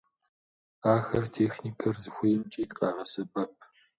Ахэр техникэр зыхуейхэмкӀи къагъэсэбэп.